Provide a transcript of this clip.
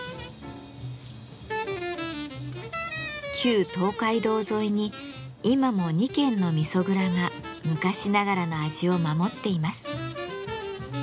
旧東海道沿いに今も２軒の味噌蔵が昔ながらの味を守っています。